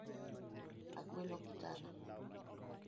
Agwelo gitana.